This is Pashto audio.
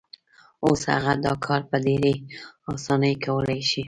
اوس هغه دا کار په ډېرې اسانۍ کولای شي.